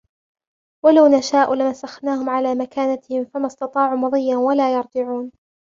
ولو نشاء لمسخناهم على مكانتهم فما استطاعوا مضيا ولا يرجعون